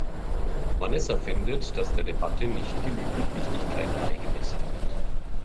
Vanessa findet, dass der Debatte nicht genügend Wichtigkeit beigemessen wird.